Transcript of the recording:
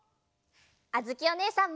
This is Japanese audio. あづきおねえさんも！